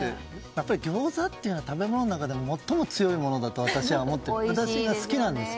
やっぱりギョーザというのは食べ物の中で一番強いものだと私は思っています。